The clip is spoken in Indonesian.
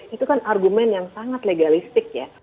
itu kan argumen yang sangat legalistik ya